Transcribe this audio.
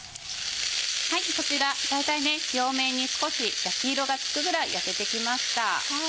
こちら表面に少し焼き色がつくぐらい焼けてきました。